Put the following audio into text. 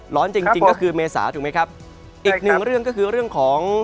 ร้อนจริงจริงก็คือเมษาถูกไหมครับอีกหนึ่งเรื่องก็คือเรื่องของ